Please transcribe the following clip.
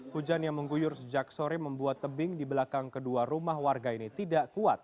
hujan yang mengguyur sejak sore membuat tebing di belakang kedua rumah warga ini tidak kuat